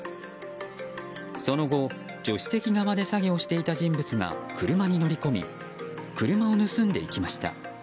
その後助手席側で作業していた人物が車に乗り込み車を盗んでいきました。